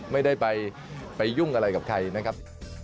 ไม่ได้ไปยุ่งอะไรกับใครนะครับ